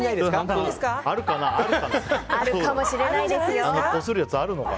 あるかもしれないですよ。